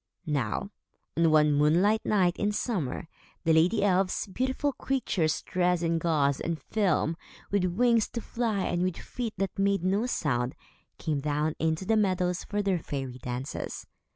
Now, on one moonlight night in summer, the lady elves, beautiful creatures, dressed in gauze and film, with wings to fly and with feet that made no sound, came down into the meadows for their fairy dances.